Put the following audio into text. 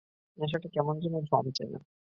নেশাটা কেমন যেন জমছে না!